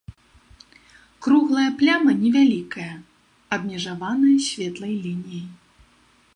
Круглая пляма невялікая, абмежаваная светлай лініяй.